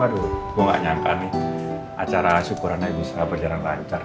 aduh gue gak nyangka nih acara syukurannya bisa berjalan lancar